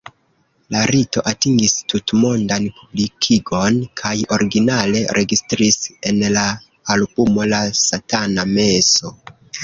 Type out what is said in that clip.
La rito atingis tutmondan publikigon kaj originale registris en la albumo La Satana Meso.